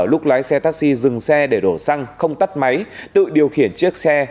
lúc lái xe taxi dừng xe để đổ xăng không tắt máy tự điều khiển chiếc xe